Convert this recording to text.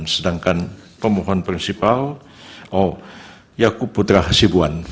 sedangkan pemohon prinsipal oh yaakub putra hasibuan